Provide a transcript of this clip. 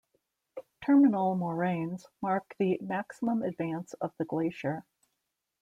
Terminal moraines mark the maximum advance of the glacier.